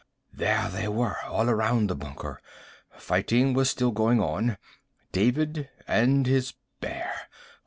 There they were, all around the bunker. Fighting was still going on. David and his bear.